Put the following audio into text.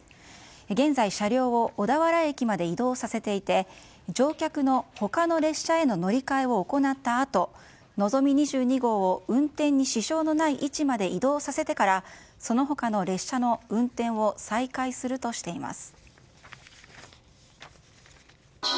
現在、車両を小田原駅まで移動させていて乗客の他の列車への乗り換えを行ったあと「のぞみ２２号」を運転に支障のない位置に移動させてからその他の列車の運転を再開するとしています。